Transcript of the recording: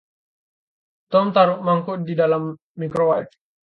Tom, taruh mangkuk itu di dalam microwave.